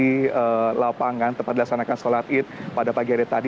di lapangan tempat dilaksanakan sholat id pada pagi hari tadi